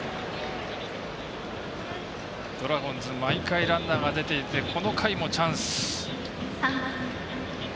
ドラゴンズ毎回ランナーが出ていてこの回もチャンス。